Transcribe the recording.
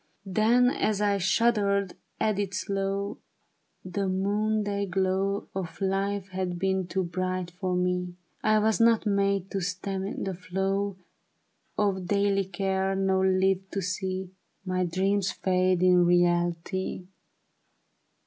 Then as I shuddered, added slow :" The noon day glow Of life had been too bright for me ; I was not made to stem the flow Of daily care, nor live to see My dreams fade in reality.